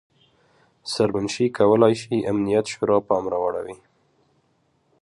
سرمنشي کولای شي امنیت شورا پام راواړوي.